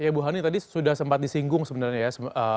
ya bu hani tadi sudah sempat disinggung sebenarnya ya